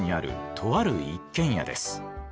とある一軒家です。